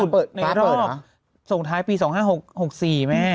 ฟ้าเปิดหรอในรอบส่วนท้ายปี๒๕๖๔แม่